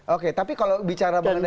oke tapi kalau bicara mengenai